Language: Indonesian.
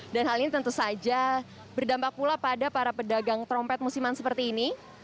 dan hal ini tentu saja berdampak pula pada para pedagang trompet musiman seperti ini